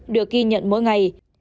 được ghi nhận mỗi ngày